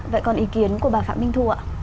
vậy còn ý kiến của bà phạm minh thu ạ